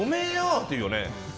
って言うよね。